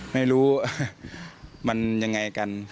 ไม่รู้มันยังไงกัน